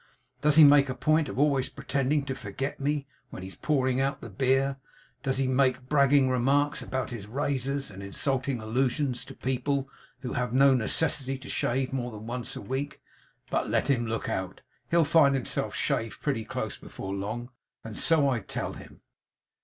Does he make a point of always pretending to forget me, when he's pouring out the beer? Does he make bragging remarks about his razors, and insulting allusions to people who have no necessity to shave more than once a week? But let him look out! He'll find himself shaved, pretty close, before long, and so I tell him.